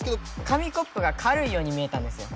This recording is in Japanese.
紙コップがかるいように見えたんですよ。